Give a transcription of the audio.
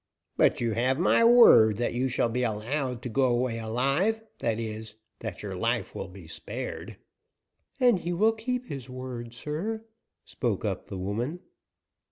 "But you have my word that you shall be allowed to go away alive that is, that your life will be spared." "And he will keep his word, sir," spoke up the woman.